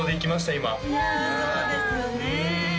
今いやそうですよね